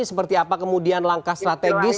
seperti apa kemudian langkah strategis